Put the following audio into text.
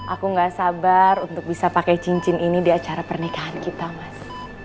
aku gak sabar untuk bisa pakai cincin ini di acara pernikahan kita mas